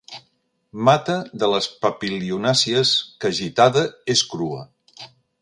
Mata de les papilionàcies que, agitada, és crua.